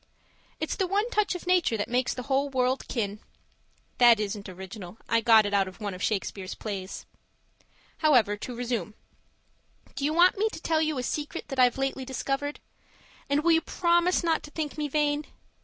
It's the one touch of nature that makes the whole world kin. (That isn't original. I got it out of one of Shakespeare's plays). However, to resume. Do you want me to tell you a secret that I've lately discovered? And will you promise not to think me vain?